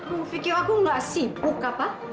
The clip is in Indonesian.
aku pikir aku nggak sibuk apa